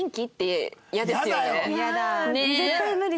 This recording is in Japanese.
絶対無理？